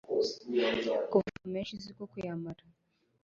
kuvuga menshi si ko kuyamara